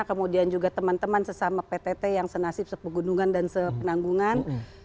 kemudian juga teman teman sesama ptt yang senasib sepegunungan dan sepenanggungan